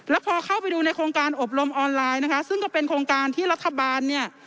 แล้วพอเข้าไปดูในโครงการอบรมออนไลน์นะคะซึ่งก็เป็นโครงการที่รัฐบาลเนี่ย